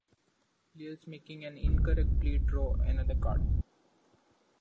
Players making an incorrect play draw another card.